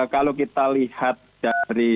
kalau kita lihat dari